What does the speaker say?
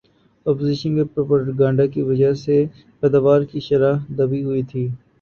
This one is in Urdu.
اپوزیشن کے پراپیگنڈا کی وجہ سے پیداوار کی یہ شرح دبی ہوئی تھی